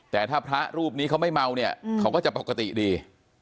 แต่ถ้าพระรูปนี้เขาไม่เมาเนี่ยเขาก็จะปกติดี